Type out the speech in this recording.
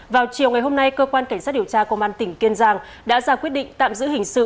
vào chiều ngày hôm nay cơ quan cảnh sát điều tra công an tỉnh kiên giang đã ra quyết định tạm giữ hình sự